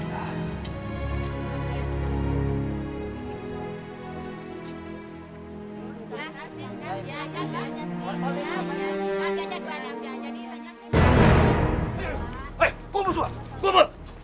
hei kumpul semua kumpul